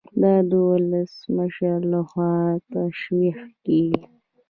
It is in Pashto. دا د ولسمشر لخوا توشیح کیږي.